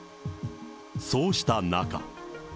そうした中。